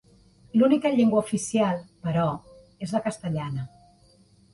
L'única llengua oficial, però, és la castellana.